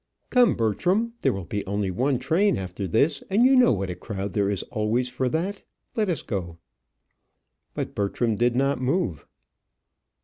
"Come, Bertram, there will be only one train after this, and you know what a crowd there is always for that. Let us go." But Bertram did not move.